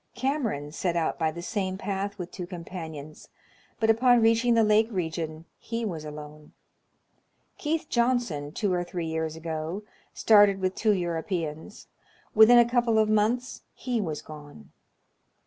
Cameron set out by the same })ath with two companions, but, upon reaching the lake region, he was alone. Keith Johnson, two or three years ago, started with two Europeans: within a couple of months he was gone.